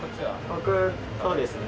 僕そうですね。